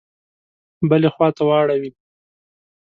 بلي خواته واړوي.